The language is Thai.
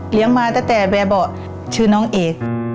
เลี้ยงมาตั้งแต่แบบว่าชื่อน้องเอก